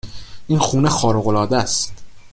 !این خونه خارق العادست